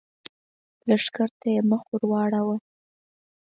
لښکر ته يې مخ ور واړاوه!